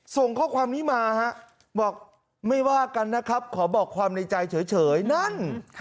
ส่งข้อความนี้มาฮะบอกไม่ว่ากันนะครับขอบอกความในใจเฉยนั่น